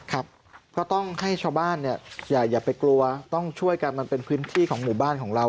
ครับก็ต้องให้ชาวบ้านเนี่ยอย่าไปกลัวต้องช่วยกันมันเป็นพื้นที่ของหมู่บ้านของเรา